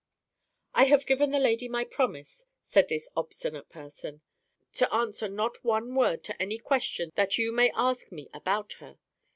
"I have given the lady my promise," said this obstinate person, "to answer not one word to any question that you may ask me about her.